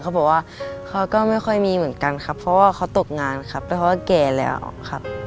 เขาบอกว่าเขาก็ไม่ค่อยมีเหมือนกันครับเพราะว่าเขาตกงานครับเพราะว่าแก่แล้วครับ